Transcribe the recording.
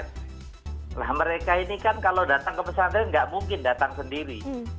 nah mereka ini kan kalau datang ke pesantren nggak mungkin datang sendiri